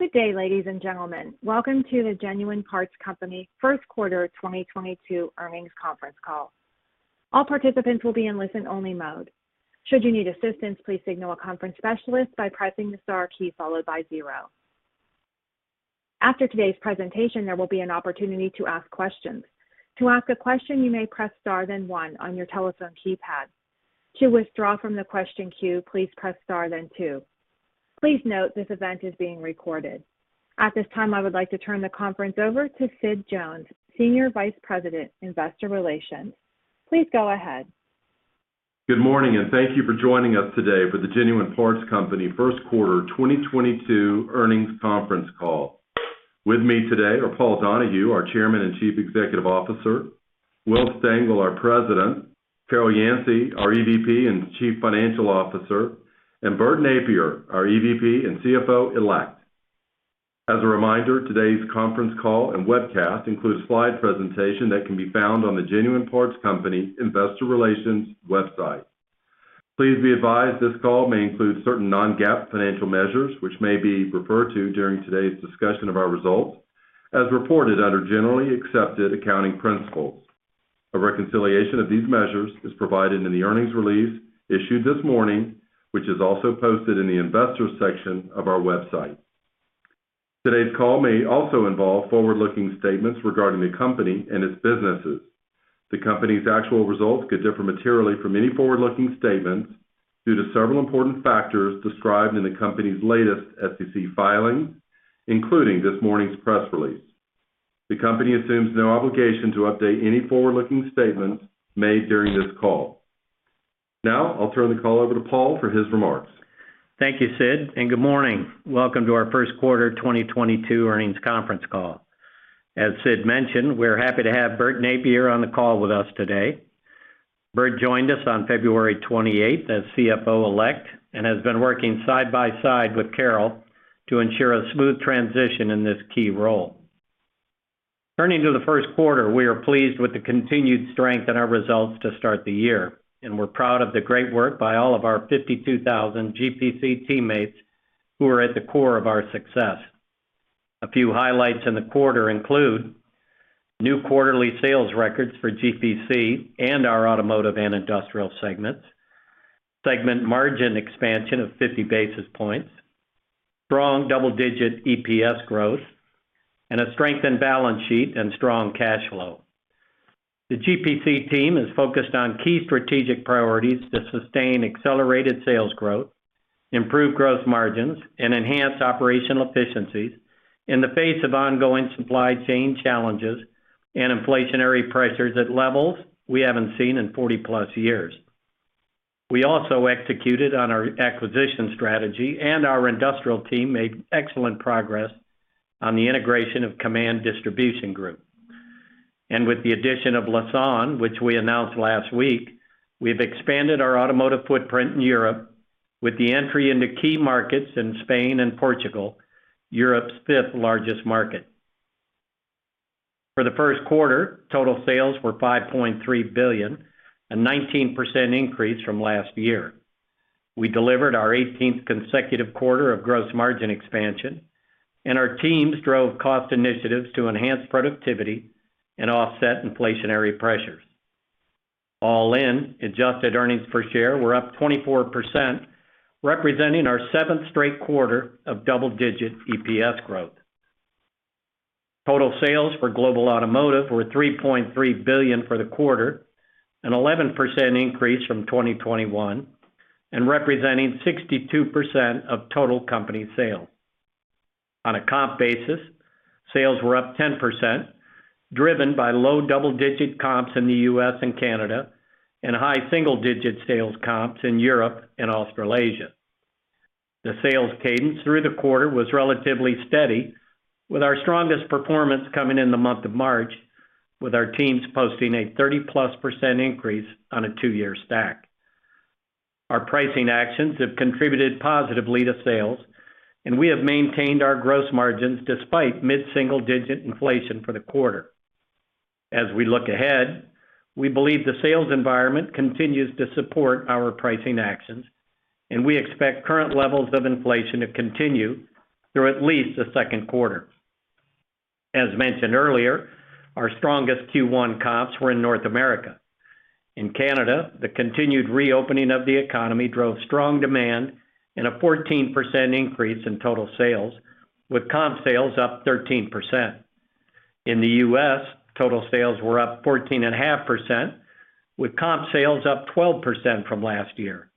Good day, ladies and gentlemen. Welcome to the Genuine Parts Company first quarter 2022 earnings conference call. All participants will be in listen-only mode. Should you need assistance, please signal a conference specialist by pressing the star key followed by zero. After today's presentation, there will be an opportunity to ask questions. To ask a question, you may press star then one on your telephone keypad. To withdraw from the question queue, please press star then two. Please note this event is being recorded. At this time, I would like to turn the conference over to Sid Jones, Senior Vice President, Investor Relations. Please go ahead. Good morning, and thank you for joining us today for the Genuine Parts Company first quarter 2022 earnings conference call. With me today are Paul Donahue, our Chairman and Chief Executive Officer, Will Stengel, our President, Carol Yancey, our Executive Vice President and Chief Financial Officer, and Bert Nappier, our Executive Vice President and Chief Financial Officer-Elect. As a reminder, today's conference call and webcast includes a slide presentation that can be found on the Genuine Parts Company investor relations website. Please be advised this call may include certain Non-GAAP financial measures, which may be referred to during today's discussion of our results as reported under generally accepted accounting principles. A reconciliation of these measures is provided in the earnings release issued this morning, which is also posted in the investors section of our website. Today's call may also involve forward-looking statements regarding the company and its businesses. The company's actual results could differ materially from any forward-looking statements due to several important factors described in the company's latest SEC filing, including this morning's press release. The company assumes no obligation to update any forward-looking statements made during this call. Now, I'll turn the call over to Paul for his remarks. Thank you, Sid, and good morning. Welcome to our first quarter 2022 earnings conference call. As Sid mentioned, we're happy to have Burt Nappier on the call with us today. Burt joined us on February 28th as Chief Financial Officer-elect and has been working side by side with Carol to ensure a smooth transition in this key role. Turning to the first quarter, we are pleased with the continued strength in our results to start the year, and we're proud of the great work by all of our 52,000 GPC teammates who are at the core of our success. A few highlights in the quarter include new quarterly sales records for GPC and our automotive and industrial segments, segment margin expansion of 50 basis points, strong double-digit EPS growth, and a strengthened balance sheet and strong cash flow. The GPC team is focused on key strategic priorities to sustain accelerated sales growth, improve gross margins, and enhance operational efficiencies in the face of ongoing supply chain challenges and inflationary pressures at levels we haven't seen in 40+ years. We also executed on our acquisition strategy, and our industrial team made excellent progress on the integration of Kaman Distribution Group. With the addition of Lausan Group, which we announced last week, we've expanded our automotive footprint in Europe with the entry into key markets in Spain and Portugal, Europe's fifth-largest market. For the first quarter, total sales were $5.3 billion, a 19% increase from last year. We delivered our 18th consecutive quarter of gross margin expansion, and our teams drove cost initiatives to enhance productivity and offset inflationary pressures. All in, adjusted earnings per share were up 24%, representing our seventh straight quarter of double-digit EPS growth. Total sales for Global Automotive were $3.3 billion for the quarter, an 11% increase from 2021, and representing 62% of total company sales. On a comp basis, sales were up 10%, driven by low double-digit comps in the U.S. and Canada and high single-digit sales comps in Europe and Australasia. The sales cadence through the quarter was relatively steady, with our strongest performance coming in the month of March, with our teams posting a 30+% increase on a two-year stack. Our pricing actions have contributed positively to sales, and we have maintained our gross margins despite mid-single digit inflation for the quarter. As we look ahead, we believe the sales environment continues to support our pricing actions, and we expect current levels of inflation to continue through at least the second quarter. As mentioned earlier, our strongest Q1 comps were in North America. In Canada, the continued reopening of the economy drove strong demand and a 14% increase in total sales, with comp sales up 13%. In the U.S., total sales were up 14.5%, with comp sales up 12% from last year.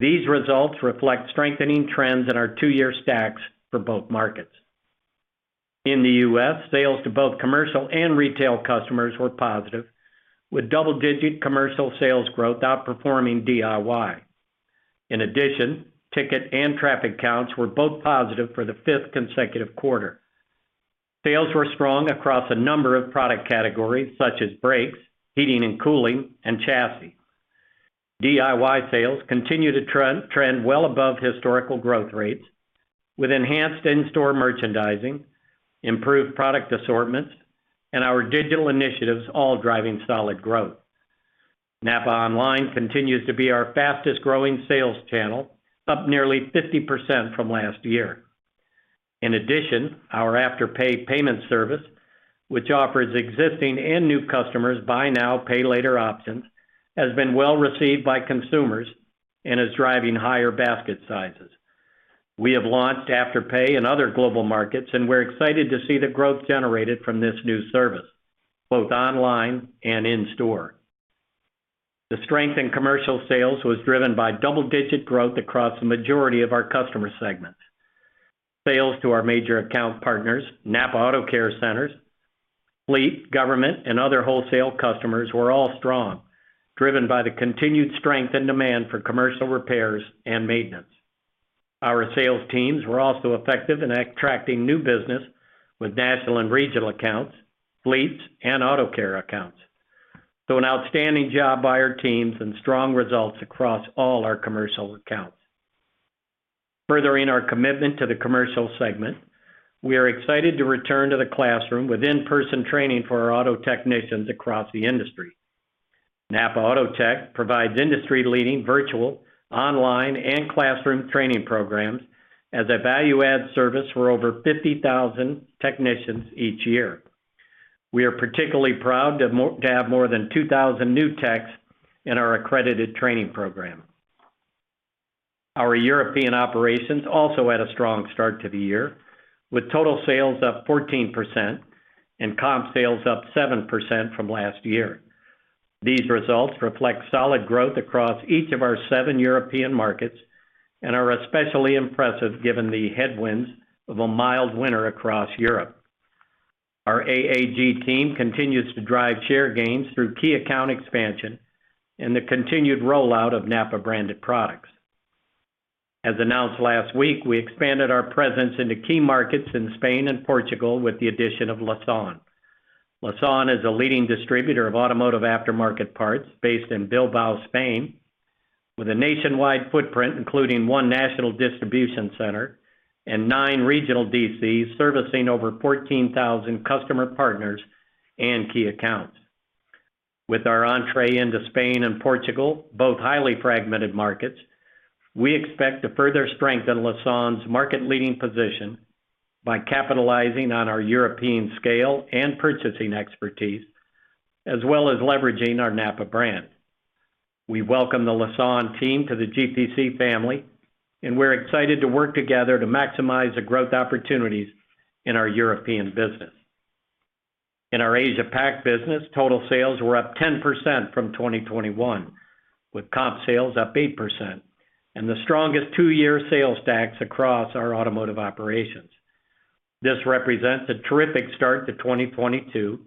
These results reflect strengthening trends in our two-year stacks for both markets. In the U.S., sales to both commercial and retail customers were positive, with double-digit commercial sales growth outperforming DIY. In addition, ticket and traffic counts were both positive for the fifth consecutive quarter. Sales were strong across a number of product categories, such as brakes, heating and cooling, and chassis. DIY sales continue to trend well above historical growth rates, with enhanced in-store merchandising, improved product assortments, and our digital initiatives all driving solid growth. NAPA online continues to be our fastest growing sales channel, up nearly 50% from last year. In addition, our Afterpay payment service, which offers existing and new customers buy now, pay later options, has been well received by consumers and is driving higher basket sizes. We have launched Afterpay in other global markets, and we're excited to see the growth generated from this new service, both online and in store. The strength in commercial sales was driven by double-digit growth across the majority of our customer segments. Sales to our major account partners, NAPA AutoCare Centers, fleet, government, and other wholesale customers were all strong, driven by the continued strength and demand for commercial repairs and maintenance. Our sales teams were also effective in attracting new business with national and regional accounts, fleets, and auto care accounts. An outstanding job by our teams and strong results across all our commercial accounts. Furthering our commitment to the commercial segment, we are excited to return to the classroom with in-person training for our auto technicians across the industry. NAPA AutoTech provides industry-leading virtual, online, and classroom training programs as a value-add service for over 50,000 technicians each year. We are particularly proud to have more than 2,000 new techs in our accredited training program. Our European operations also had a strong start to the year, with total sales up 14% and comp sales up 7% from last year. These results reflect solid growth across each of our seven European markets and are especially impressive given the headwinds of a mild winter across Europe. Our AAG team continues to drive share gains through key account expansion and the continued rollout of NAPA-branded products. As announced last week, we expanded our presence into key markets in Spain and Portugal with the addition of Lausan. Lausan is a leading distributor of automotive aftermarket parts based in Bilbao, Spain, with a nationwide footprint, including one national distribution center and nine regional DCs servicing over 14,000 customer partners and key accounts. With our entree into Spain and Portugal, both highly fragmented markets, we expect to further strengthen Lausan’s market-leading position by capitalizing on our European scale and purchasing expertise, as well as leveraging our NAPA brand. We welcome the Lausan team to the GPC family, and we're excited to work together to maximize the growth opportunities in our European business. In our Asia Pac business, total sales were up 10% from 2021, with comp sales up 8% and the strongest two-year sales stacks across our automotive operations. This represents a terrific start to 2022,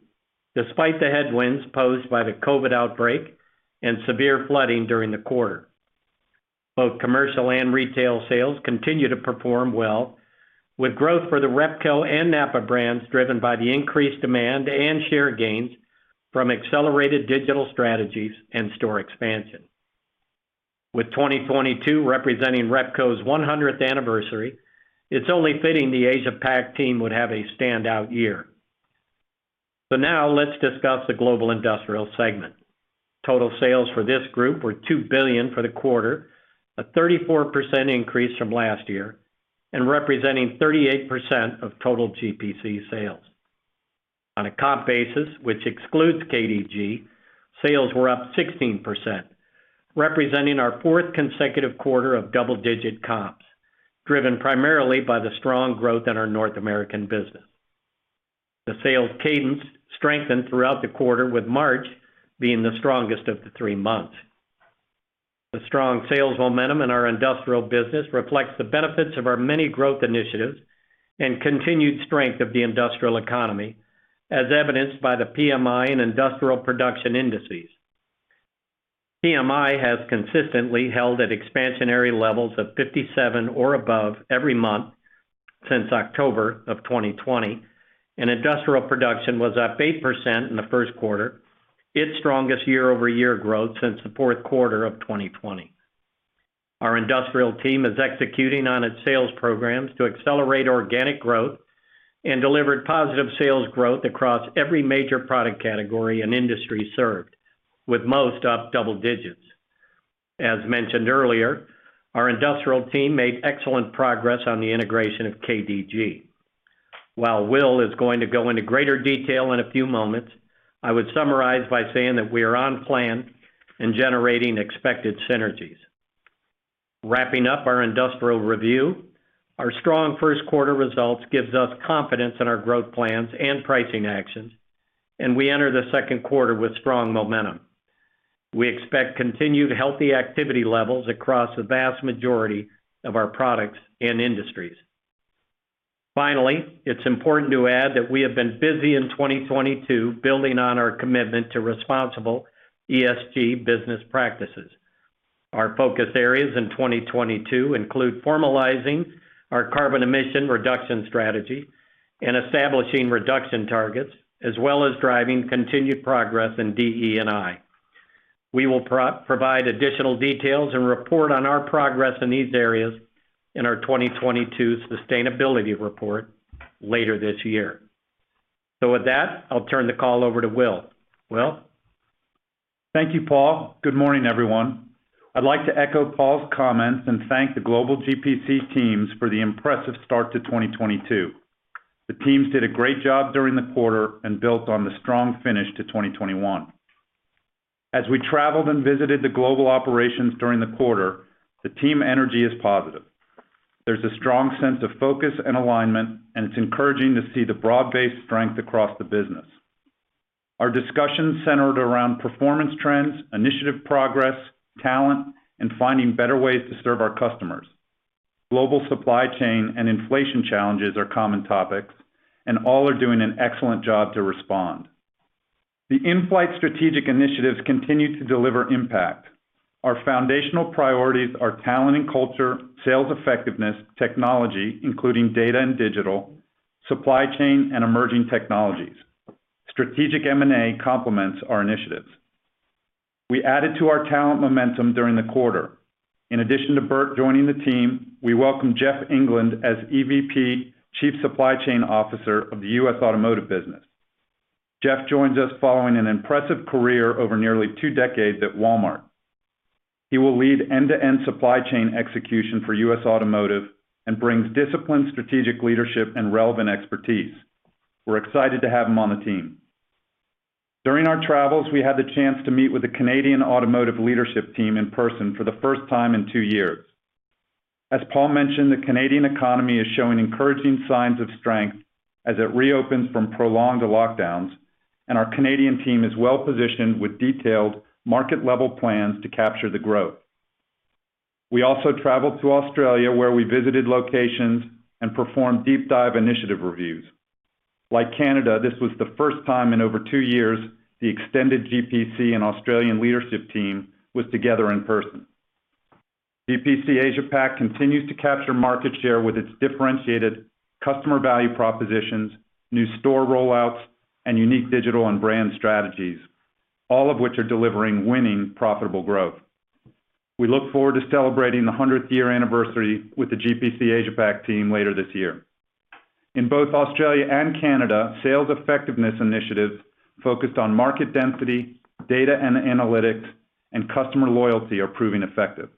despite the headwinds posed by the COVID outbreak and severe flooding during the quarter. Both commercial and retail sales continue to perform well, with growth for the Repco and NAPA brands driven by the increased demand and share gains from accelerated digital strategies and store expansion. With 2022 representing Repco's one-hundredth anniversary, it's only fitting the Asia Pac team would have a standout year. Now let's discuss the global industrial segment. Total sales for this group were $2 billion for the quarter, a 34% increase from last year and representing 38% of total GPC sales. On a comp basis, which excludes KDG, sales were up 16%, representing our fourth consecutive quarter of double-digit comps, driven primarily by the strong growth in our North American business. The sales cadence strengthened throughout the quarter, with March being the strongest of the three months. The strong sales momentum in our industrial business reflects the benefits of our many growth initiatives and continued strength of the industrial economy, as evidenced by the PMI and Industrial Production Index. PMI has consistently held at expansionary levels of 57% or above every month since October of 2020, and industrial production was up 8% in the first quarter, its strongest year-over-year growth since the fourth quarter of 2020. Our industrial team is executing on its sales programs to accelerate organic growth and delivered positive sales growth across every major product category and industry served, with most up double digits. As mentioned earlier, our industrial team made excellent progress on the integration of KDG. While Will is going to go into greater detail in a few moments, I would summarize by saying that we are on plan in generating expected synergies. Wrapping up our industrial review, our strong first quarter results gives us confidence in our growth plans and pricing actions, and we enter the second quarter with strong momentum. We expect continued healthy activity levels across the vast majority of our products and industries. Finally, it's important to add that we have been busy in 2022 building on our commitment to responsible ESG business practices. Our focus areas in 2022 include formalizing our carbon emission reduction strategy and establishing reduction targets, as well as driving continued progress in DE&I. We will provide additional details and report on our progress in these areas in our 2022 sustainability report later this year. With that, I'll turn the call over to Will. Will? Thank you, Paul. Good morning, everyone. I'd like to echo Paul's comments and thank the global GPC teams for the impressive start to 2022. The teams did a great job during the quarter and built on the strong finish to 2021. As we traveled and visited the global operations during the quarter, the team energy is positive. There's a strong sense of focus and alignment, and it's encouraging to see the broad-based strength across the business. Our discussions centered around performance trends, initiative progress, talent, and finding better ways to serve our customers. Global supply chain and inflation challenges are common topics, and all are doing an excellent job to respond. The in-flight strategic initiatives continue to deliver impact. Our foundational priorities are talent and culture, sales effectiveness, technology, including data and digital, supply chain, and emerging technologies. Strategic M&A complements our initiatives. We added to our talent momentum during the quarter. In addition to Bert joining the team, we welcome Jeff England as Executive Vice President, Chief Supply Chain Officer of the U.S. Automotive business. Jeff joins us following an impressive career over nearly two decades at Walmart. He will lead end-to-end supply chain execution for U.S. Automotive and brings disciplined strategic leadership and relevant expertise. We're excited to have him on the team. During our travels, we had the chance to meet with the Canadian Automotive leadership team in person for the first time in two years. As Paul mentioned, the Canadian economy is showing encouraging signs of strength as it reopens from prolonged lockdowns, and our Canadian team is well-positioned with detailed market-level plans to capture the growth. We also traveled to Australia, where we visited locations and performed deep dive initiative reviews. Like Canada, this was the first time in over two years the extended GPC and Australian leadership team was together in person. GPC Asia Pac continues to capture market share with its differentiated customer value propositions, new store rollouts, and unique digital and brand strategies, all of which are delivering winning profitable growth. We look forward to celebrating the hundredth year anniversary with the GPC Asia Pac team later this year. In both Australia and Canada, sales effectiveness initiatives focused on market density, data and analytics, and customer loyalty are proving effective.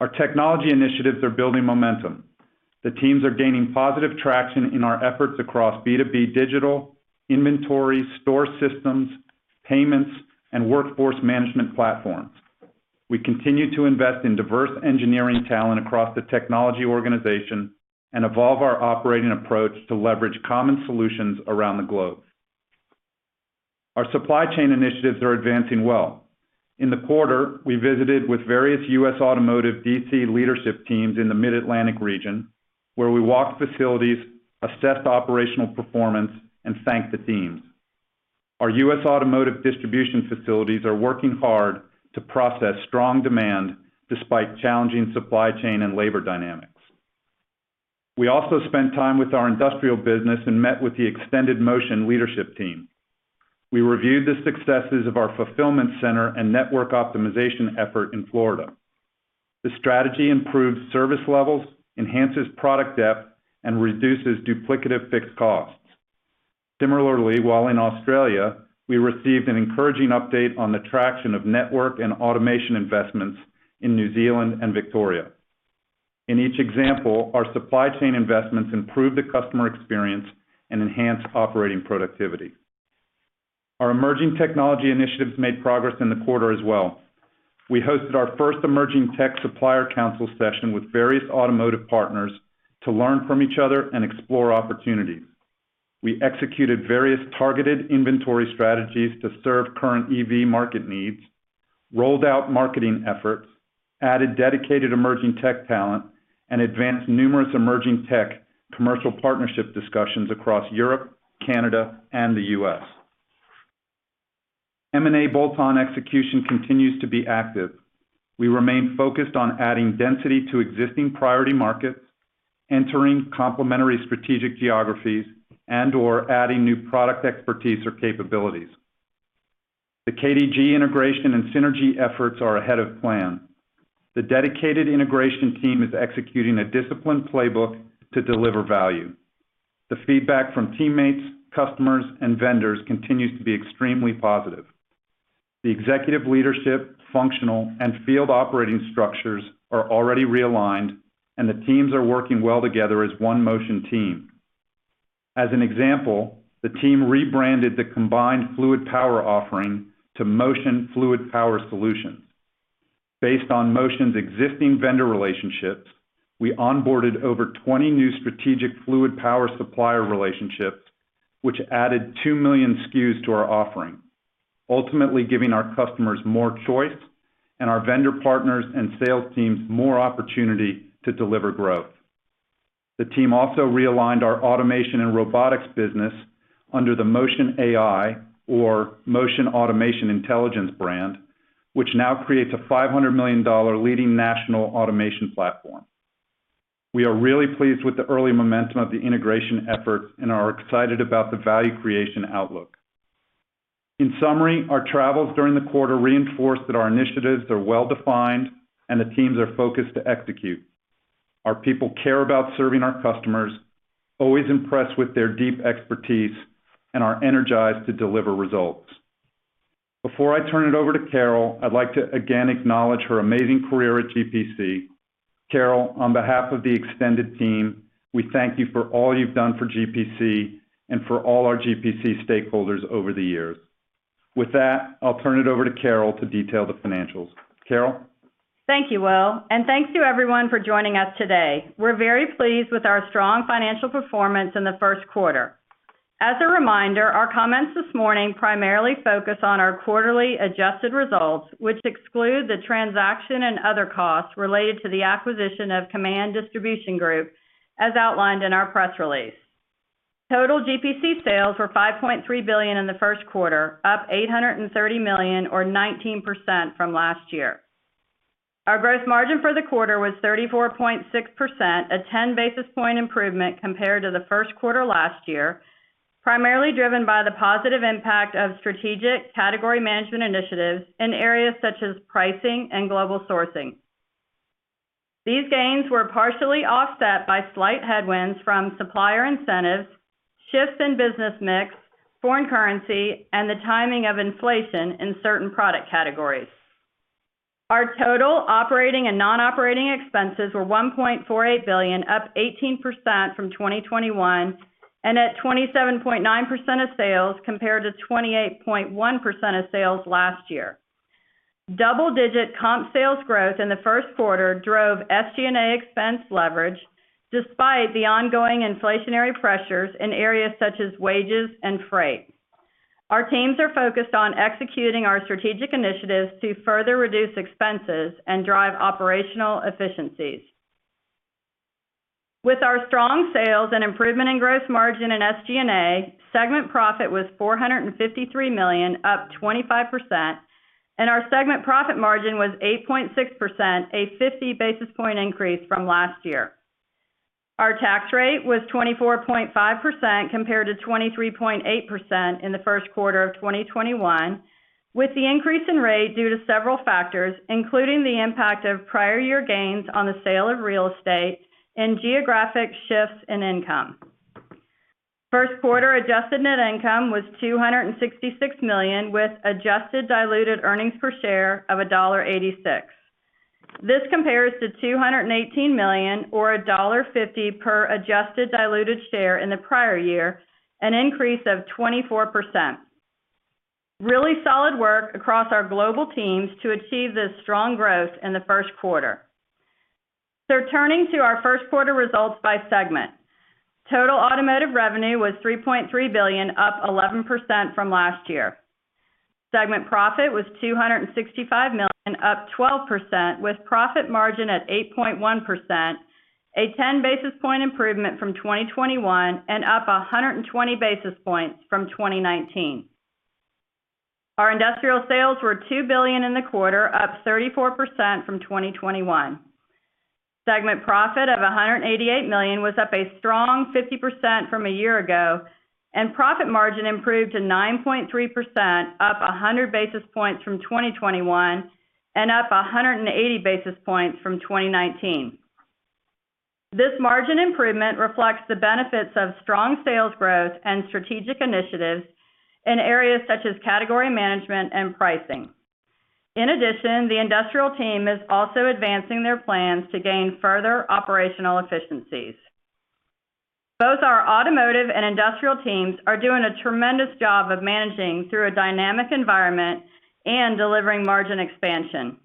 Our technology initiatives are building momentum. The teams are gaining positive traction in our efforts across B2B digital, inventory, store systems, payments, and workforce management platforms. We continue to invest in diverse engineering talent across the technology organization and evolve our operating approach to leverage common solutions around the globe. Our supply chain initiatives are advancing well. In the quarter, we visited with various U.S. Automotive DC leadership teams in the Mid-Atlantic region, where we walked facilities, assessed operational performance, and thanked the teams. Our U.S. Automotive distribution facilities are working hard to process strong demand despite challenging supply chain and labor dynamics. We also spent time with our industrial business and met with the extended Motion leadership team. We reviewed the successes of our fulfillment center and network optimization effort in Florida. The strategy improves service levels, enhances product depth, and reduces duplicative fixed costs. Similarly, while in Australia, we received an encouraging update on the traction of network and automation investments in New Zealand and Victoria. In each example, our supply chain investments improve the customer experience and enhance operating productivity. Our emerging technology initiatives made progress in the quarter as well. We hosted our first emerging tech supplier council session with various automotive partners to learn from each other and explore opportunities. We executed various targeted inventory strategies to serve current EV market needs, rolled out marketing efforts, added dedicated emerging tech talent, and advanced numerous emerging tech commercial partnership discussions across Europe, Canada, and the U.S. M&A bolt-on execution continues to be active. We remain focused on adding density to existing priority markets, entering complementary strategic geographies, and/or adding new product expertise or capabilities. The KDG integration and synergy efforts are ahead of plan. The dedicated integration team is executing a disciplined playbook to deliver value. The feedback from teammates, customers, and vendors continues to be extremely positive. The executive leadership, functional, and field operating structures are already realigned, and the teams are working well together as one Motion team. As an example, the team rebranded the combined fluid power offering to Motion Fluid Power Solutions. Based on Motion's existing vendor relationships, we onboarded over 20 new strategic fluid power supplier relationships, which added 2 million SKUs to our offering, ultimately giving our customers more choice and our vendor partners and sales teams more opportunity to deliver growth. The team also realigned our automation and robotics business under the Motion AI or Motion Automation Intelligence brand, which now creates a $500 million leading national automation platform. We are really pleased with the early momentum of the integration efforts and are excited about the value creation outlook. In summary, our travels during the quarter reinforced that our initiatives are well-defined and the teams are focused to execute. Our people care about serving our customers, always impressed with their deep expertise and are energized to deliver results. Before I turn it over to Carol, I'd like to again acknowledge her amazing career at GPC. Carol, on behalf of the extended team, we thank you for all you've done for GPC and for all our GPC stakeholders over the years. With that, I'll turn it over to Carol to detail the financials. Carol? Thank you, Will, and thanks to everyone for joining us today. We're very pleased with our strong financial performance in the first quarter. As a reminder, our comments this morning primarily focus on our quarterly adjusted results, which exclude the transaction and other costs related to the acquisition of Kaman Distribution Group, as outlined in our press release. Total GPC sales were $5.3 billion in the first quarter, up $830 million or 19% from last year. Our gross margin for the quarter was 34.6%, a 10 basis point improvement compared to the first quarter last year, primarily driven by the positive impact of strategic category management initiatives in areas such as pricing and global sourcing. These gains were partially offset by slight headwinds from supplier incentives, shifts in business mix, foreign currency, and the timing of inflation in certain product categories. Our total operating and non-operating expenses were $1.48 billion, up 18% from 2021, and at 27.9% of sales, compared to 28.1% of sales last year. Double-digit comp sales growth in the first quarter drove SG&A expense leverage despite the ongoing inflationary pressures in areas such as wages and freight. Our teams are focused on executing our strategic initiatives to further reduce expenses and drive operational efficiencies. With our strong sales and improvement in gross margin in SG&A, segment profit was $453 million, up 25%, and our segment profit margin was 8.6%, a 50 basis point increase from last year. Our tax rate was 24.5% compared to 23.8% in the first quarter of 2021, with the increase in rate due to several factors, including the impact of prior year gains on the sale of real estate and geographic shifts in income. First quarter adjusted net income was $266 million, with adjusted diluted earnings per share of $1.86. This compares to $218 million or $1.50 per adjusted diluted share in the prior year, an increase of 24%. Really solid work across our global teams to achieve this strong growth in the first quarter. Turning to our first quarter results by segment. Total automotive revenue was $3.3 billion, up 11% from last year. Segment profit was $265 million, up 12%, with profit margin at 8.1%, a 10 basis point improvement from 2021 and up 120 basis points from 2019. Our industrial sales were $2 billion in the quarter, up 34% from 2021. Segment profit of $188 million was up a strong 50% from a year ago, and profit margin improved to 9.3%, up 100 basis points from 2021 and up 180 basis points from 2019. This margin improvement reflects the benefits of strong sales growth and strategic initiatives in areas such as category management and pricing. In addition, the industrial team is also advancing their plans to gain further operational efficiencies. Both our automotive and industrial teams are doing a tremendous job of managing through a dynamic environment and delivering margin expansion.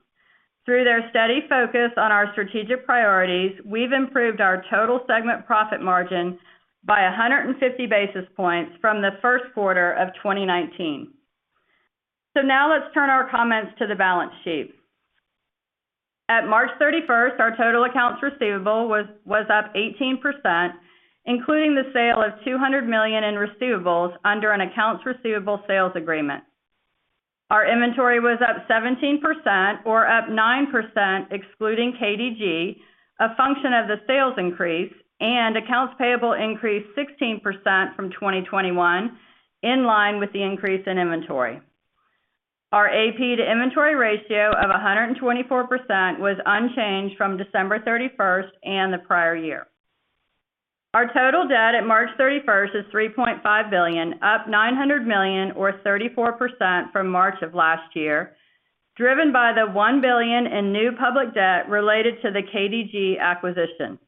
Through their steady focus on our strategic priorities, we've improved our total segment profit margin by 150 basis points from the first quarter of 2019. Now let's turn our comments to the balance sheet. At March 31st, our total accounts receivable was up 18%, including the sale of $200 million in receivables under an accounts receivable sales agreement. Our inventory was up 17% or up 9% excluding KDG, a function of the sales increase, and accounts payable increased 16% from 2021, in line with the increase in inventory. Our AP to inventory ratio of 124% was unchanged from December 31st and the prior year. Our total debt at March 31st is $3.5 billion, up $900 million or 34% from March of last year, driven by the $1 billion in new public debt related to the KDG acquisition.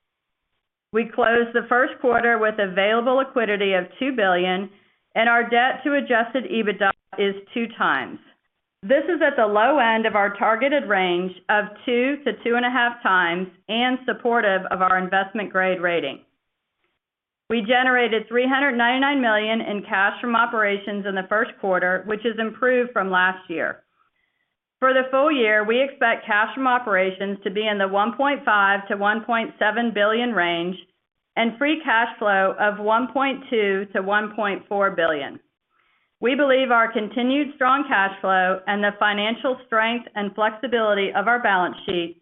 We closed the first quarter with available liquidity of $2 billion and our debt to adjusted EBITDA is 2x. This is at the low end of our targeted range of 2x-2.5x and supportive of our investment grade rating. We generated $399 million in cash from operations in the first quarter, which is improved from last year. For the full year, we expect cash from operations to be in the $1.5 billion-$1.7 billion range and free cash flow of $1.2 billion-$1.4 billion. We believe our continued strong cash flow and the financial strength and flexibility of our balance sheet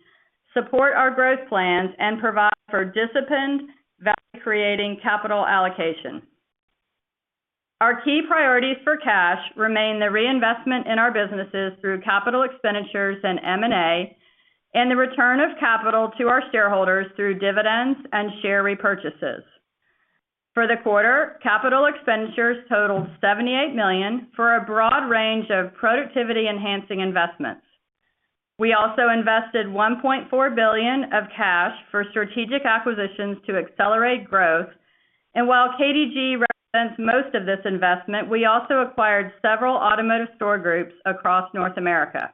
support our growth plans and provide for disciplined, value-creating capital allocation. Our key priorities for cash remain the reinvestment in our businesses through capital expenditures and M&A, and the return of capital to our shareholders through dividends and share repurchases. For the quarter, capital expenditures totaled $78 million for a broad range of productivity-enhancing investments. We also invested $1.4 billion of cash for strategic acquisitions to accelerate growth. While KDG represents most of this investment, we also acquired several automotive store groups across North America.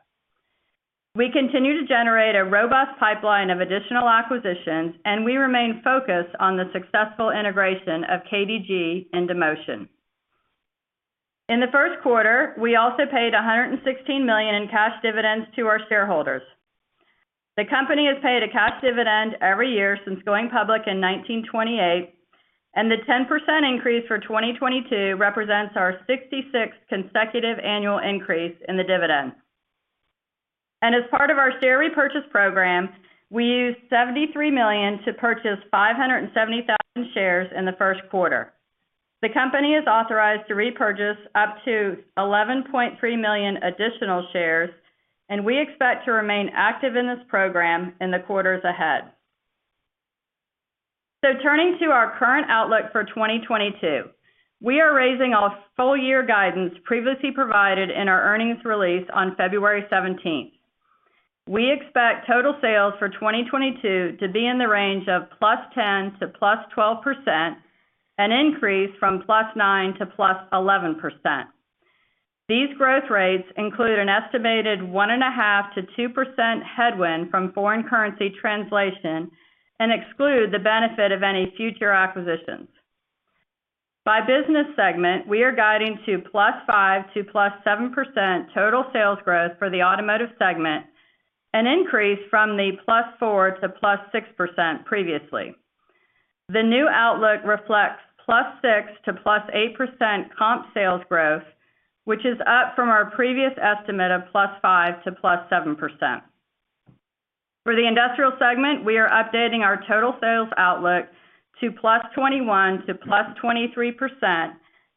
We continue to generate a robust pipeline of additional acquisitions, and we remain focused on the successful integration of KDG into Motion. In the first quarter, we also paid $116 million in cash dividends to our shareholders. The company has paid a cash dividend every year since going public in 1928, and the 10% increase for 2022 represents our 66th consecutive annual increase in the dividend. As part of our share repurchase program, we used $73 million to purchase 570,000 shares in the first quarter. The company is authorized to repurchase up to 11.3 million additional shares, and we expect to remain active in this program in the quarters ahead. Turning to our current outlook for 2022, we are raising our full year guidance previously provided in our earnings release on February 17th. We expect total sales for 2022 to be in the range of +10% to +12%, an increase from +9% to +11%. These growth rates include an estimated 1.5%-2% headwind from foreign currency translation and exclude the benefit of any future acquisitions. By business segment, we are guiding to +5% to +7% total sales growth for the Automotive segment, an increase from the +4% to +6% previously. The new outlook reflects +6% to +8% comp sales growth, which is up from our previous estimate of +5% to +7%. For the Industrial segment, we are updating our total sales outlook to +21% to +23%,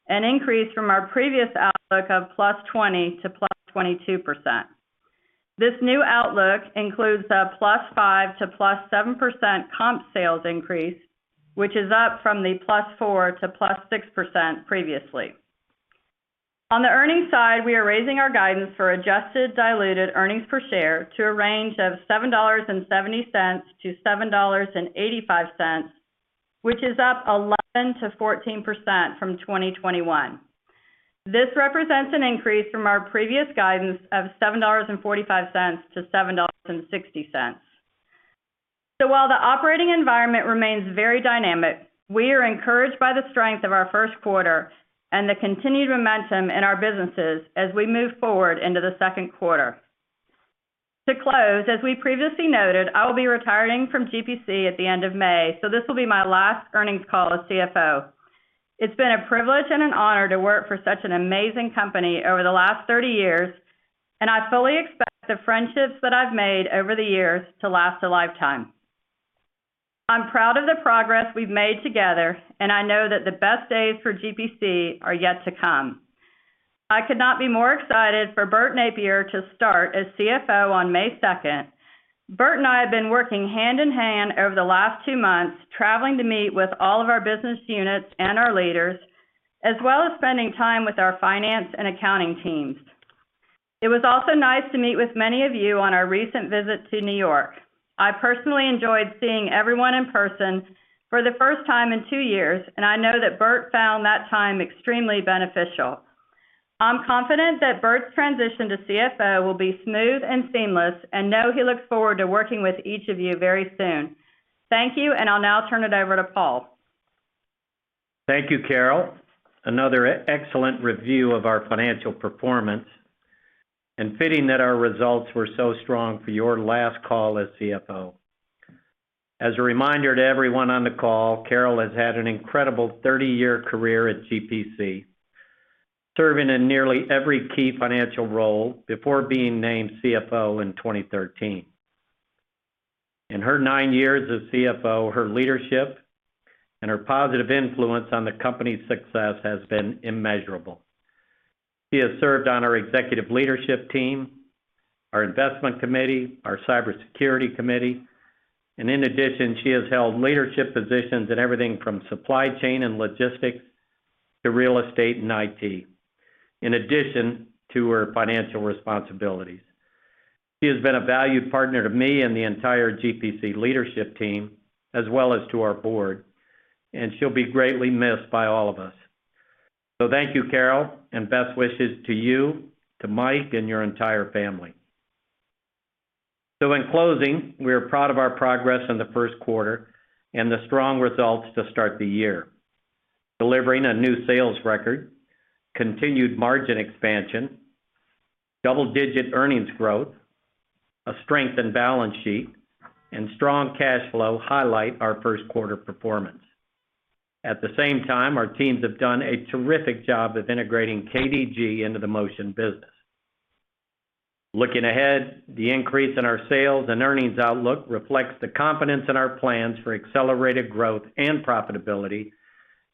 an increase from our previous outlook of +20% tp +22%. This new outlook includes a +5% to +7% comp sales increase, which is up from the +4% to +6% previously. On the earnings side, we are raising our guidance for adjusted diluted earnings per share to a range of $7.70-$7.85, which is up 11%-14% from 2021. This represents an increase from our previous guidance of $7.45-$7.60. While the operating environment remains very dynamic, we are encouraged by the strength of our first quarter and the continued momentum in our businesses as we move forward into the second quarter. To close, as we previously noted, I will be retiring from GPC at the end of May, so this will be my last earnings call as Chief Financial Officer. It's been a privilege and an honor to work for such an amazing company over the last 30 years, and I fully expect the friendships that I've made over the years to last a lifetime. I'm proud of the progress we've made together, and I know that the best days for GPC are yet to come. I could not be more excited for Bert Nappier to start as Chief Financial Officer on May second. Bert Nappier and I have been working hand in hand over the last 2 months, traveling to meet with all of our business units and our leaders, as well as spending time with our finance and accounting teams. It was also nice to meet with many of you on our recent visit to New York. I personally enjoyed seeing everyone in person for the first time in two years, and I know that Bert Nappier found that time extremely beneficial. I'm confident that Bert's transition to Chief Financial Officer will be smooth and seamless and I know he looks forward to working with each of you very soon. Thank you, and I'll now turn it over to Paul. Thank you, Carol. Another excellent review of our financial performance, and fitting that our results were so strong for your last call as Chief Financial Officer. As a reminder to everyone on the call, Carol has had an incredible 30-year career at GPC, serving in nearly every key financial role before being named Chief Financial Officer in 2013. In her nine years as Chief Financial Officer, her leadership and her positive influence on the company's success has been immeasurable. She has served on our executive leadership team, our investment committee, our cybersecurity committee, and in addition, she has held leadership positions in everything from supply chain and logistics to real estate and IT, in addition to her financial responsibilities. She has been a valued partner to me and the entire GPC leadership team, as well as to our board, and she'll be greatly missed by all of us. Thank you, Carol, and best wishes to you, to Mike, and your entire family. In closing, we are proud of our progress in the first quarter and the strong results to start the year. Delivering a new sales record, continued margin expansion, double-digit earnings growth, a strengthened balance sheet, and strong cash flow highlight our first quarter performance. At the same time, our teams have done a terrific job of integrating KDG into the Motion business. Looking ahead, the increase in our sales and earnings outlook reflects the confidence in our plans for accelerated growth and profitability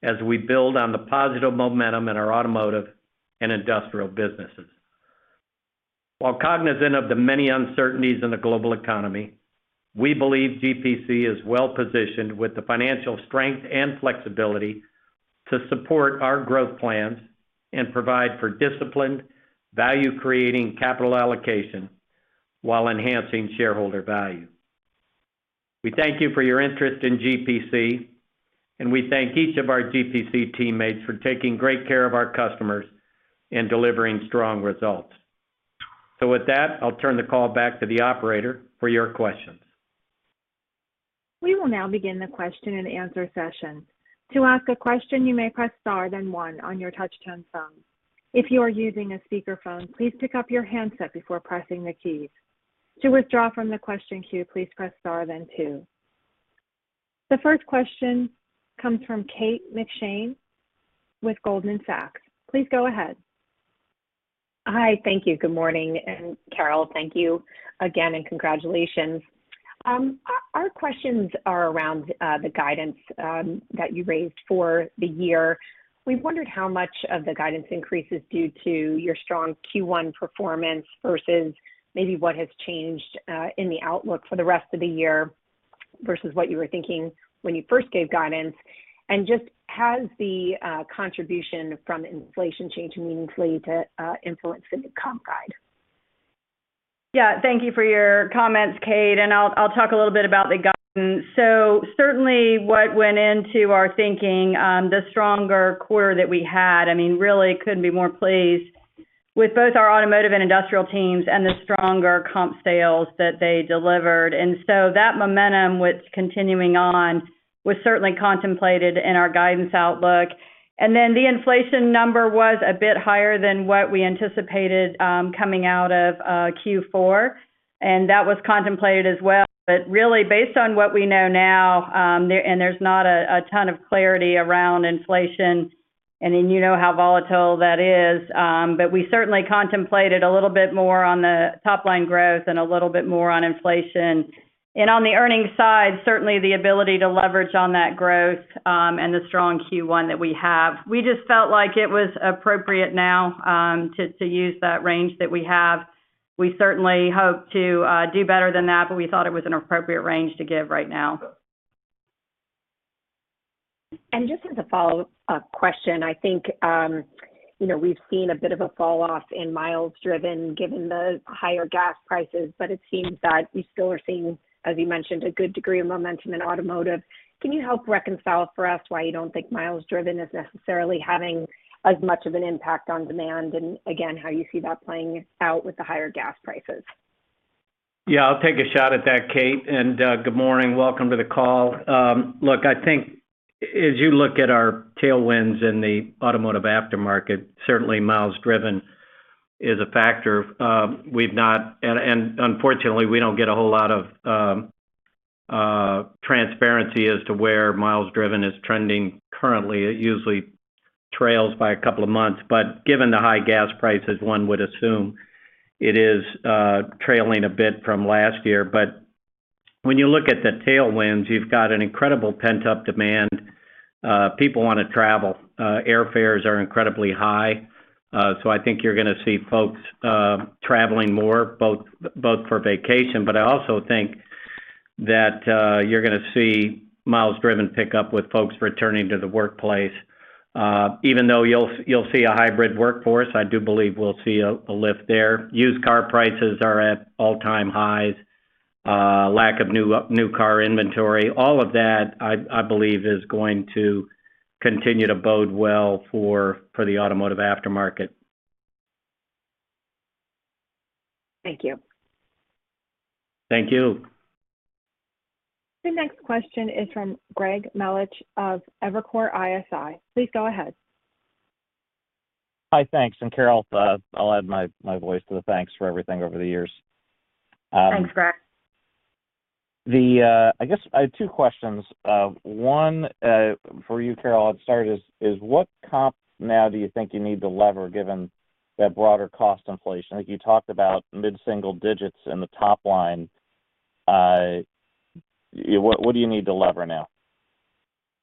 as we build on the positive momentum in our automotive and industrial businesses. While cognizant of the many uncertainties in the global economy, we believe GPC is well-positioned with the financial strength and flexibility to support our growth plans and provide for disciplined, value-creating capital allocation while enhancing shareholder value. We thank you for your interest in GPC, and we thank each of our GPC teammates for taking great care of our customers and delivering strong results. With that, I'll turn the call back to the operator for your questions. We will now begin the question-and-answer session. To ask a question, you may press star then one on your touch-tone phone. If you are using a speakerphone, please pick up your handset before pressing the keys. To withdraw from the question queue, please press star then two. The first question comes from Kate McShane with Goldman Sachs. Please go ahead. Hi. Thank you. Good morning. Carol, thank you again, and congratulations. Our questions are around the guidance that you raised for the year. We wondered how much of the guidance increase is due to your strong Q1 performance versus maybe what has changed in the outlook for the rest of the year versus what you were thinking when you first gave guidance. Just has the contribution from inflation changed meaningfully to influence the comp guide? Yeah. Thank you for your comments, Kate. I'll talk a little bit about the guidance. Certainly what went into our thinking, the stronger quarter that we had, I mean, really couldn't be more pleased with both our automotive and industrial teams and the stronger comp sales that they delivered. That momentum, which continuing on, was certainly contemplated in our guidance outlook. Then the inflation number was a bit higher than what we anticipated, coming out of Q4, and that was contemplated as well. Really based on what we know now, and there's not a ton of clarity around inflation, and then you know how volatile that is. We certainly contemplated a little bit more on the top line growth and a little bit more on inflation. On the earnings side, certainly the ability to leverage on that growth, and the strong Q1 that we have. We just felt like it was appropriate now, to use that range that we have. We certainly hope to do better than that, but we thought it was an appropriate range to give right now. Just as a follow-up question, I think, we've seen a bit of a fall off in miles driven given the higher gas prices, but it seems that you still are seeing, as you mentioned, a good degree of momentum in automotive. Can you help reconcile for us why you don't think miles driven is necessarily having as much of an impact on demand, and again, how you see that playing out with the higher gas prices? Yeah, I'll take a shot at that, Kate. Good morning. Welcome to the call. Look, I think as you look at our tailwinds in the automotive aftermarket, certainly miles driven is a factor. Unfortunately, we don't get a whole lot of transparency as to where miles driven is trending currently. It usually trails by a couple of months. Given the high gas prices, one would assume it is trailing a bit from last year. When you look at the tailwinds, you've got an incredible pent-up demand. People wanna travel. Airfares are incredibly high. I think you're gonna see folks traveling more, both for vacation, but I also think that you're gonna see miles driven pick up with folks returning to the workplace. Even though you'll see a hybrid workforce, I do believe we'll see a lift there. Used car prices are at all-time highs, lack of new car inventory. All of that, I believe, is going to continue to bode well for the automotive aftermarket. Thank you. Thank you. The next question is from Greg Melich of Evercore ISI. Please go ahead. Hi. Thanks. Carol, I'll add my voice to the thanks for everything over the years. Thanks, Greg. I guess I have two questions. One for you, Carol, I'll start, is what comps now do you think you need to leverage given that broader cost inflation? I think you talked about mid-single digits in the top line. What do you need to leverage now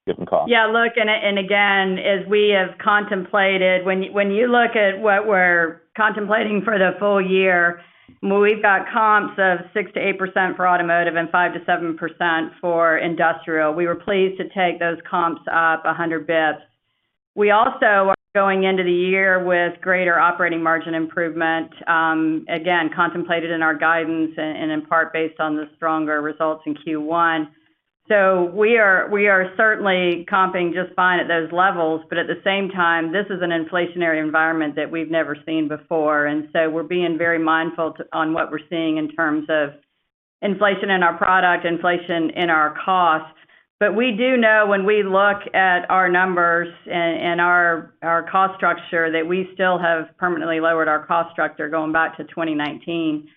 given costs? Yeah. Look, again, as we have contemplated, when you look at what we're contemplating for the full year, when we've got comps of 6%-8% for Automotive and 5%-7% for Industrial, we were pleased to take those comps up 100 basis points. We also are going into the year with greater operating margin improvement, again, contemplated in our guidance and in part based on the stronger results in Q1. We are certainly comping just fine at those levels, but at the same time, this is an inflationary environment that we've never seen before. We're being very mindful, too, on what we're seeing in terms of inflation in our product, inflation in our costs. We do know when we look at our numbers and our cost structure that we still have permanently lowered our cost structure going back to 2019.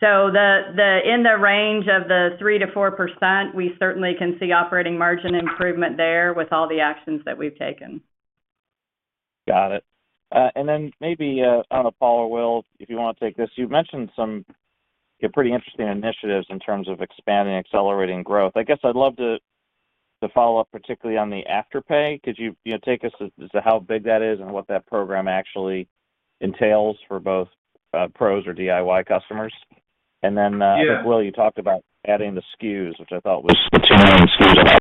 In the range of 3%-4%, we certainly can see operating margin improvement there with all the actions that we've taken. Got it. Maybe, I don't know, Paul or Will, if you wanna take this. You've mentioned some, you know, pretty interesting initiatives in terms of expanding, accelerating growth. I guess I'd love to follow up particularly on the Afterpay. Could you know, tell us about how big that is and what that program actually entails for both pros or DIY customers? Yeah. I think, Will, you talked about adding the SKUs, which I thought was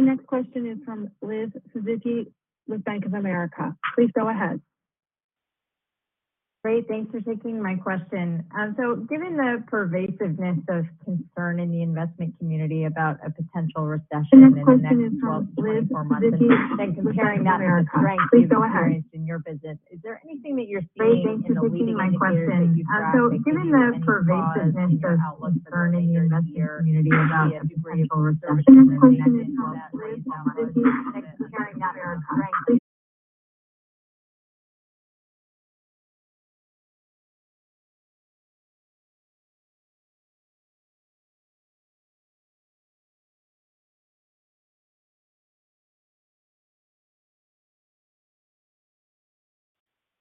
The next question is from Liz Suzuki with Bank of America. Please go ahead Thanks for taking my question. So given the pervasiveness of concern in the investment community about a potential recession.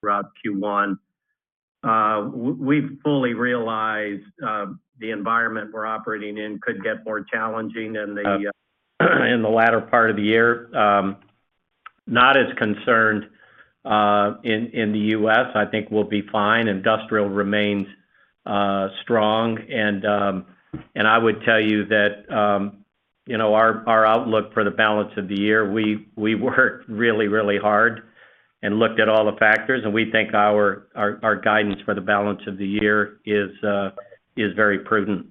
We fully realize the environment we're operating in could get more challenging in the latter part of the year. Not as concerned in the U.S. I think we'll be fine. Industrial remains strong and I would tell you that, you know, our outlook for the balance of the year, we worked really hard and looked at all the factors, and we think our guidance for the balance of the year is very prudent.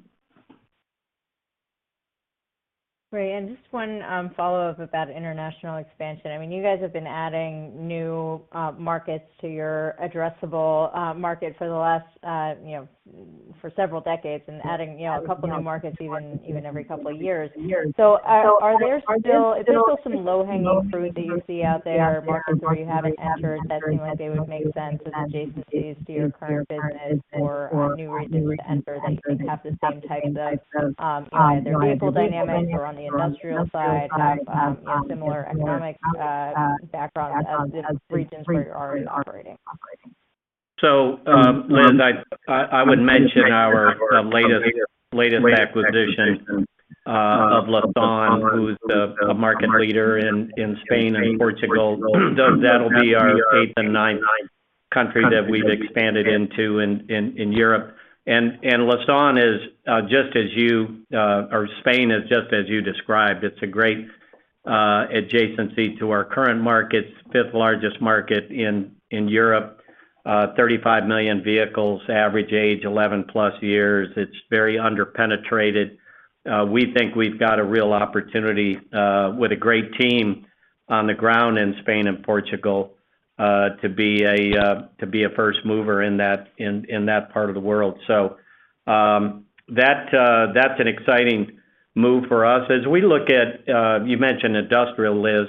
Ray, just one follow-up about international expansion. I mean, you guys have been adding new markets to your addressable market for the last, you know, for several decades and adding, you know, a couple new markets even every couple years. Are there still some low-hanging fruit that you see out there, markets where you haven't entered that seem like they would make sense as adjacencies to your current business or new regions to enter that could have the same types of either vehicle dynamics or on the industrial side have, you know, similar economic background as the regions where you're already operating? Liz, I would mention our latest acquisition of Lausan, who's a market leader in Spain and Portugal. That'll be our eighth and ninth country that we've expanded into in Europe. Lausan is just as you or Spain is just as you described. It's a great adjacency to our current markets, fifth largest market in Europe. 35 million vehicles, average age 11+ years. It's very under-penetrated. We think we've got a real opportunity with a great team on the ground in Spain and Portugal to be a first mover in that part of the world. That's an exciting move for us. As we look at you mentioned industrial, Liz.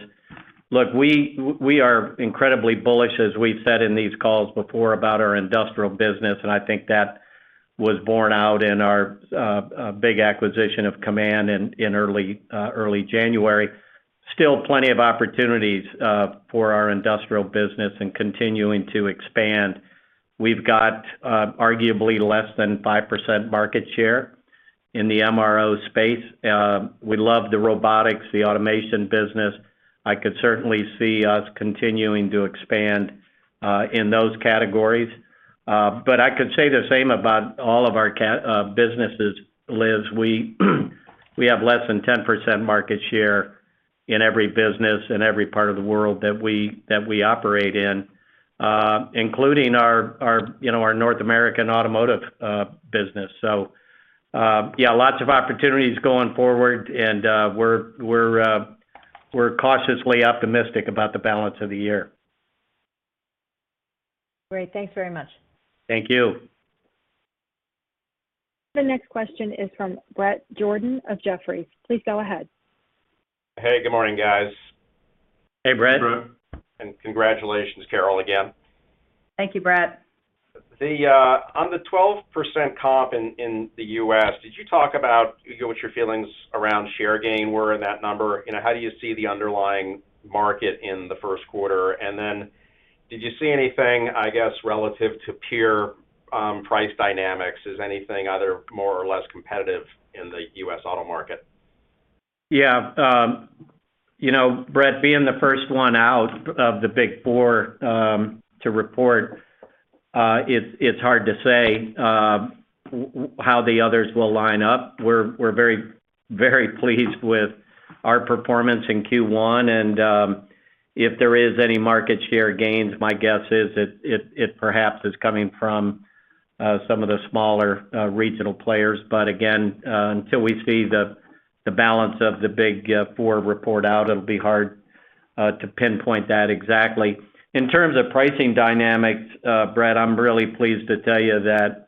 Look, we are incredibly bullish as we've said in these calls before, about our industrial business, and I think that was borne out in our big acquisition of Kaman in early January. Still, plenty of opportunities for our industrial business and continuing to expand. We've got arguably less than 5% market share in the MRO space. We love the robotics, the automation business. I could certainly see us continuing to expand in those categories. I could say the same about all of our businesses, Liz. We have less than 10% market share in every business in every part of the world that we operate in, including, you know, our North American automotive business. Yeah, lots of opportunities going forward and we're cautiously optimistic about the balance of the year. Great. Thanks very much. Thank you. The next question is from Bret Jordan of Jefferies. Please go ahead. Hey, good morning, guys. Hey, Bret. Hey. Congratulations, Carol, again. Thank you, Bret. On the 12% comp in the U.S., did you talk about, you know, what your feelings around share gain were in that number? You know, how do you see the underlying market in the first quarter? Did you see anything, I guess, relative to peer price dynamics? Is anything either more or less competitive in the U.S. auto market? Yeah. You know, Brett, being the first one out of the Big Four to report, it's hard to say how the others will line up. We're very pleased with our performance in Q1, and if there is any market share gains, my guess is that it perhaps is coming from some of the smaller regional players. But again, until we see the balance of the Big Four report out, it'll be hard to pinpoint that exactly. In terms of pricing dynamics, Brett, I'm really pleased to tell you that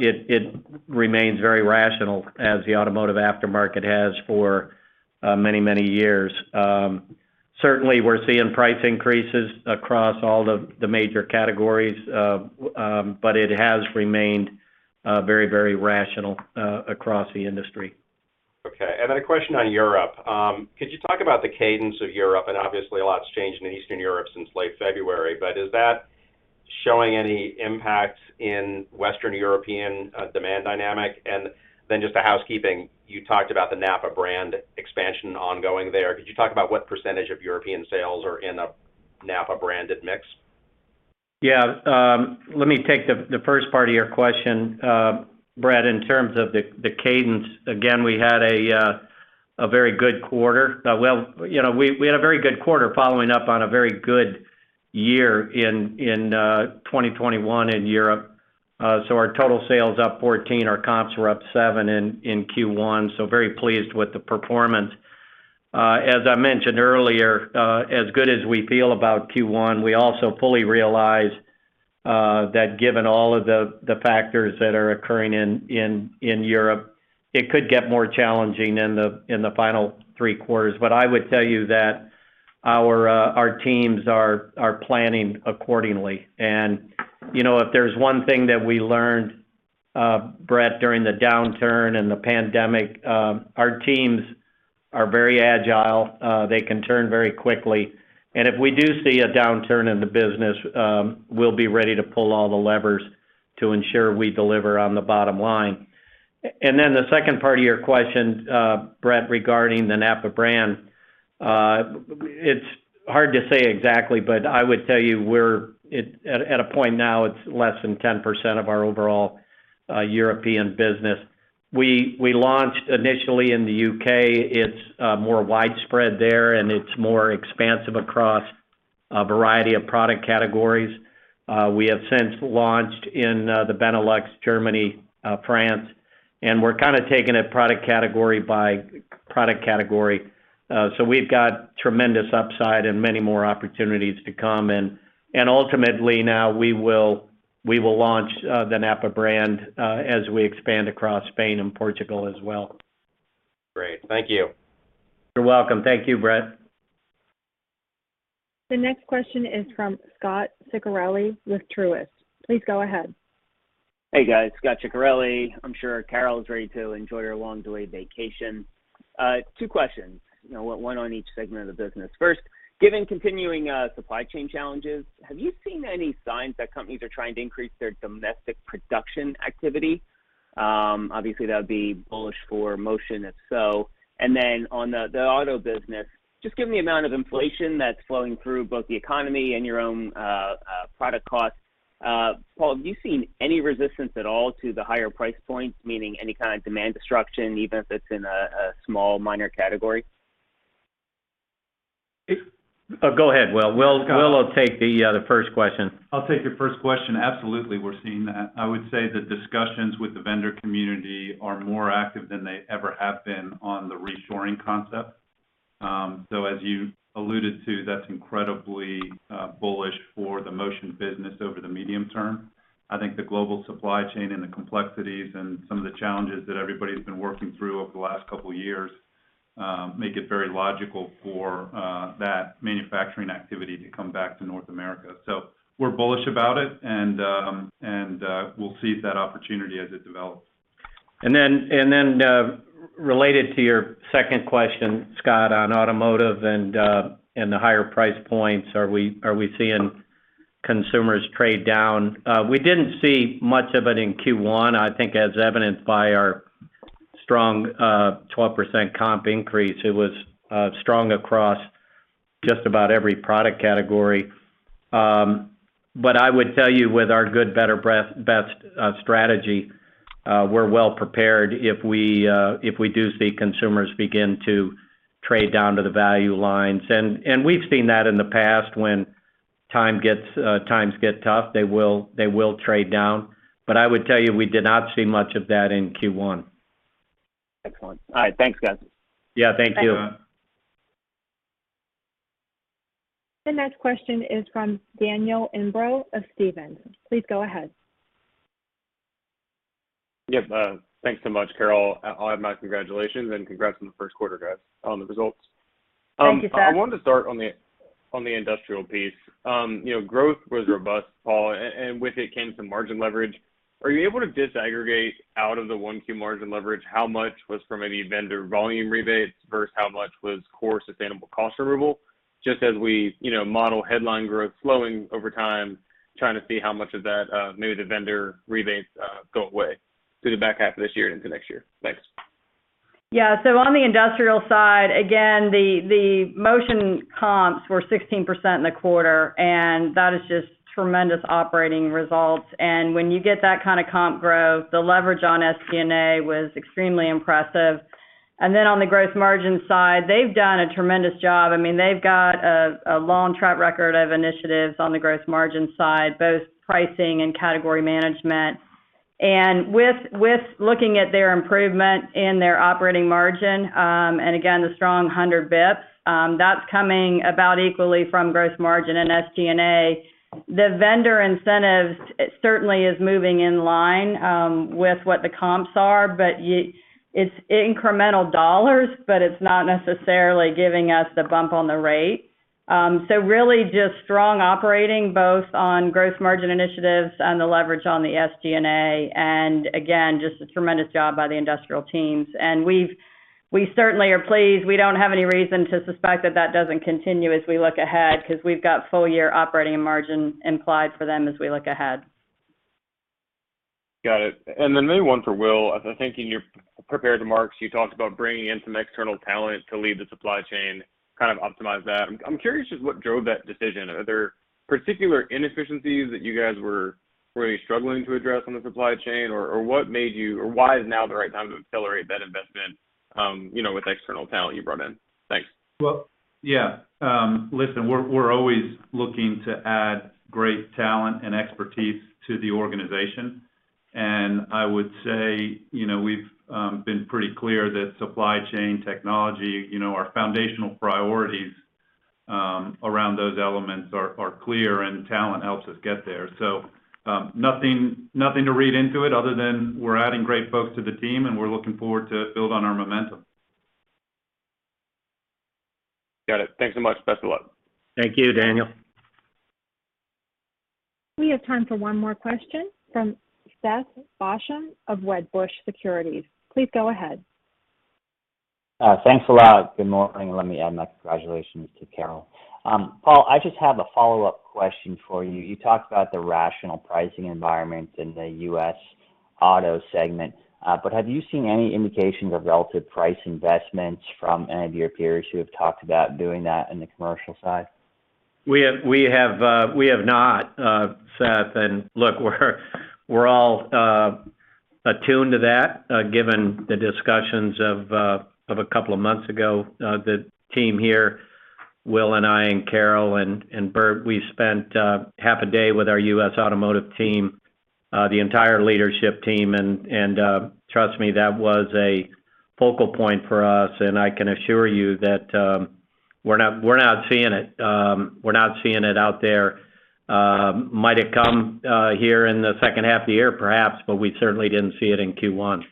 it remains very rational as the automotive aftermarket has for many years. Certainly we're seeing price increases across all the major categories, but it has remained very rational across the industry. Okay. A question on Europe. Could you talk about the cadence of Europe? Obviously, a lot's changed in Eastern Europe since late February, but is that showing any impact in Western European demand dynamic? Just a housekeeping, you talked about the NAPA brand expansion ongoing there. Could you talk about what percentage of European sales are in a NAPA branded mix? Yeah. Let me take the first part of your question, Brett, in terms of the cadence. Again, we had a very good quarter. Well, you know, we had a very good quarter following up on a very good year in 2021 in Europe. So our total sales up 14%, our comps were up 7% in Q1, so very pleased with the performance. As I mentioned earlier, as good as we feel about Q1, we also fully realize that given all of the factors that are occurring in Europe, it could get more challenging in the final three quarters. I would tell you that our teams are planning accordingly. You know, if there's one thing that we learned, Bret, during the downturn and the pandemic, our teams are very agile. They can turn very quickly. If we do see a downturn in the business, we'll be ready to pull all the levers to ensure we deliver on the bottom line. Then the second part of your question, Bret, regarding the NAPA brand. It's hard to say exactly, but I would tell you we're at a point now, it's less than 10% of our overall European business. We launched initially in the U.K. It's more widespread there, and it's more expansive across a variety of product categories. We have since launched in the Benelux, Germany, France, and we're kind of taking it product category by product category. We've got tremendous upside and many more opportunities to come. Ultimately now we will launch the NAPA brand as we expand across Spain and Portugal as well. Great. Thank you. You're welcome. Thank you, Bret. The next question is from Scot Ciccarelli with Truist Securities. Please go ahead. Hey, guys. Scot Ciccarelli. I'm sure Carol is ready to enjoy her long-delayed vacation. Two questions. You know, one on each segment of the business. First, given continuing supply chain challenges, have you seen any signs that companies are trying to increase their domestic production activity? Obviously, that would be bullish for Motion if so. On the auto business, just given the amount of inflation that's flowing through both the economy and your own product costs, Paul, have you seen any resistance at all to the higher price points, meaning any kind of demand destruction, even if it's in a small minor category? Oh, go ahead, Will. Will will take the first question. I'll take the first question. Absolutely, we're seeing that. I would say the discussions with the vendor community are more active than they ever have been on the reshoring concept. As you alluded to, that's incredibly bullish for the Motion business over the medium term. I think the global supply chain and the complexities and some of the challenges that everybody's been working through over the last couple years make it very logical for that manufacturing activity to come back to North America. We're bullish about it, and we'll seize that opportunity as it develops. Related to your second question, Scott, on automotive and the higher price points, are we seeing consumers trade down? We didn't see much of it in Q1, I think, as evidenced by our strong 12% comp increase. It was strong across just about every product category. I would tell you, with our good, better, best strategy, we're well prepared if we do see consumers begin to trade down to the value lines. We've seen that in the past when times get tough, they will trade down. I would tell you, we did not see much of that in Q1. Excellent. All right. Thanks, guys. Yeah, thank you. Yeah. The next question is from Daniel Imbro of Stephens. Please go ahead. Yep. Thanks so much, Carol. I'll add my congratulations and congrats on the first quarter, guys, on the results. Thank you, Daniel. I wanted to start on the industrial piece. You know, growth was robust, Paul, and with it came some margin leverage. Are you able to disaggregate out of the one key margin leverage, how much was from any vendor volume rebates versus how much was core sustainable cost removal? Just as we, you know, model headline growth slowing over time, trying to see how much of that, maybe the vendor rebates, go away through the back half of this year into next year. Thanks. Yeah. On the industrial side, again, the Motion comps were 16% in the quarter, and that is just tremendous operating results. When you get that kind of comp growth, the leverage on SG&A was extremely impressive. On the gross margin side, they've done a tremendous job. I mean, they've got a long track record of initiatives on the gross margin side, both pricing and category management. With looking at their improvement in their operating margin, and again, the strong 100 basis points, that's coming about equally from gross margin and SG&A. The vendor incentive certainly is moving in line with what the comps are, but it's incremental dollars, but it's not necessarily giving us the bump on the rate. Really just strong operating both on growth margin initiatives and the leverage on the SG&A, and again, just a tremendous job by the industrial teams. We certainly are pleased. We don't have any reason to suspect that doesn't continue as we look ahead because we've got full year operating margin implied for them as we look ahead. Got it. Maybe one for Will. I think in your prepared remarks, you talked about bringing in some external talent to lead the supply chain, kind of optimize that. I'm curious just what drove that decision. Are there particular inefficiencies that you guys were you struggling to address on the supply chain or what made you, or why is now the right time to accelerate that investment, you know, with the external talent you brought in? Thanks. Well, yeah. Listen, we're always looking to add great talent and expertise to the organization. I would say, you know, we've been pretty clear that supply chain technology, you know, our foundational priorities around those elements are clear and talent helps us get there. Nothing to read into it other than we're adding great folks to the team and we're looking forward to build on our momentum. Got it. Thanks so much. Best of luck. Thank you, Daniel. We have time for one more question from Seth Basham of Wedbush Securities. Please go ahead. Thanks a lot. Good morning. Let me add my congratulations to Carol. Paul, I just have a follow-up question for you. You talked about the rational pricing environment in the U.S. auto segment. Have you seen any indications of relative price investments from any of your peers who have talked about doing that in the commercial side? We have not, Seth. Look, we're all attuned to that, given the discussions of a couple of months ago. The team here, Will and I and Carol and Bert, we spent half a day with our U.S. automotive team, the entire leadership team. Trust me, that was a focal point for us. I can assure you that, we're not seeing it. We're not seeing it out there. Might it come here in the second half of the year? Perhaps, but we certainly didn't see it in Q1.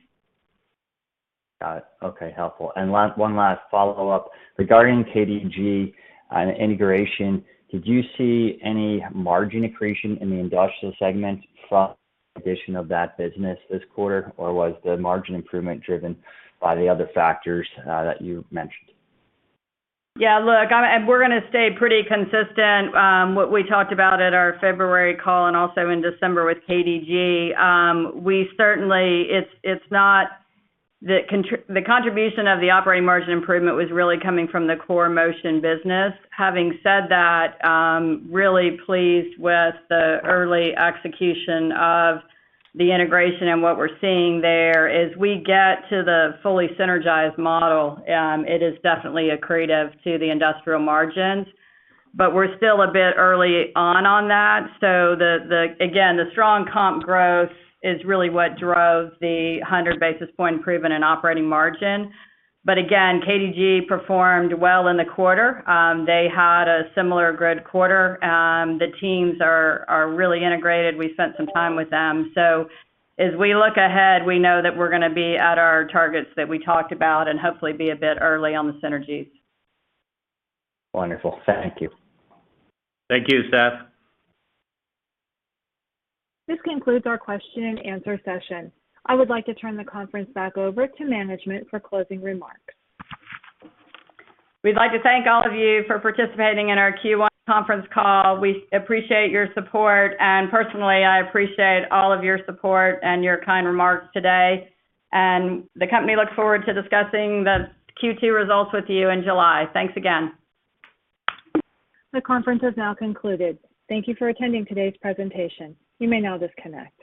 Got it. Okay. Helpful. One last follow-up. Regarding KDG and integration, did you see any margin accretion in the industrial segment from addition of that business this quarter? Or was the margin improvement driven by the other factors, that you mentioned? Yeah. Look, we're gonna stay pretty consistent with what we talked about at our February call and also in December with KDG. We certainly. It's not the contribution of the operating margin improvement was really coming from the core Motion business. Having said that, really pleased with the early execution of the integration and what we're seeing there. As we get to the fully synergized model, it is definitely accretive to the Industrial margins. We're still a bit early on that. Again, the strong comp growth is really what drove the 100 basis point improvement in operating margin. Again, KDG performed well in the quarter. They had a similar good quarter. The teams are really integrated. We spent some time with them. As we look ahead, we know that we're gonna be at our targets that we talked about and hopefully be a bit early on the synergies. Wonderful. Thank you. Thank you, Seth. This concludes our question and answer session. I would like to turn the conference back over to management for closing remarks. We'd like to thank all of you for participating in our Q1 conference call. We appreciate your support. Personally, I appreciate all of your support and your kind remarks today. The company looks forward to discussing the Q2 results with you in July. Thanks again. The conference has now concluded. Thank you for attending today's presentation. You may now disconnect.